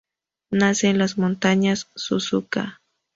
Nace en las Montañas Suzuka.